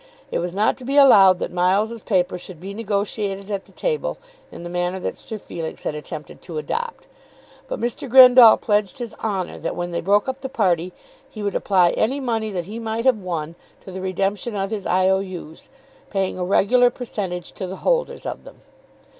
It was not to be allowed that Miles's paper should be negotiated at the table in the manner that Sir Felix had attempted to adopt. But Mr. Grendall pledged his honour that when they broke up the party he would apply any money that he might have won to the redemption of his I. O. U.'s, paying a regular percentage to the holders of them.